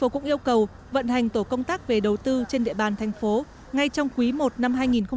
cũng yêu cầu vận hành tổ công tác về đầu tư trên địa bàn thành phố ngay trong quý i năm hai nghìn hai mươi